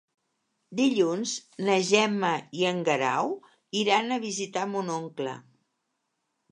Dilluns na Gemma i en Guerau iran a visitar mon oncle.